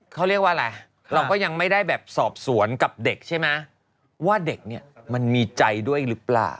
เขาเรียกว่าอะไรเราก็ยังไม่ได้แบบสอบสวนกับเด็กใช่ไหมว่าเด็กเนี่ยมันมีใจด้วยหรือเปล่า